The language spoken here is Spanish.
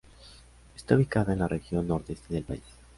Está ubicado en la región Nordeste del país.